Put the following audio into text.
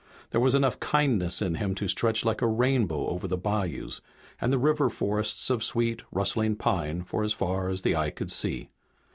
There was enough kindness in him to stretch like a rainbow over the bayous and the river forests of sweet, rustling pine for as far as the eye could see.